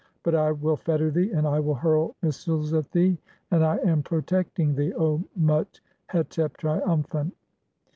But I "will (3) fetter thee, and I will hurl missiles at thee ; and I "am (4) protecting thee, O Mut hetep, triumphant."